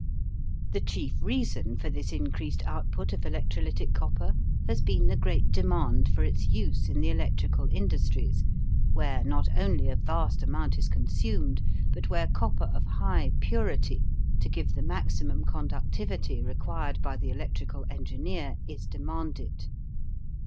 The chief reason for this increased output of electrolytic copper has been the great demand for its use in the electrical industries where not only a vast amount is consumed, but where copper of high purity, to give the maximum conductivity required by the electrical engineer, is demanded.